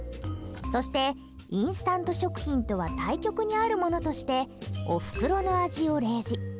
そしてインスタント食品とは対極にあるものとして「おふくろの味」を例示。